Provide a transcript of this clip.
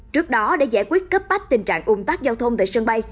trước đó để giải quyết cấp bách tình trạng ủng tắc giao thông tại sân bay